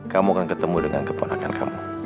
kamu akan ketemu dengan keponakan kamu